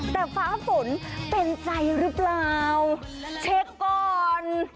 แต่ฟ้าฝนเป็นใจหรือเปล่าเช็คก่อน